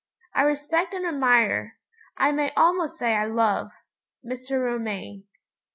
I respect and admire, I may almost say I love, Mr. Romayne.